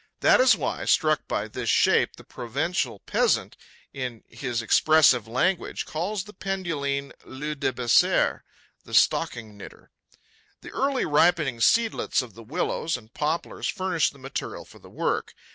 That is why, struck by this shape, the Provencal peasant, in his expressive language, calls the Penduline lou Debassaire, the Stocking knitter. The early ripening seedlets of the widows and poplars furnish the materials for the work.